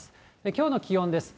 きょうの気温です。